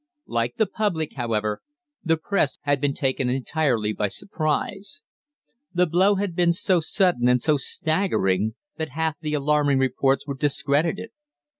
Like the public, however, the Press had been taken entirely by surprise. The blow had been so sudden and so staggering that half the alarming reports were discredited.